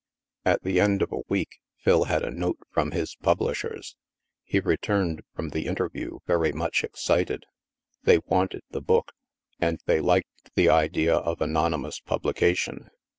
At the end of a week, Phil had a note from his publishers. He returned from the interview very much excited. They wanted the book, and they liked the idea of anonymous publication.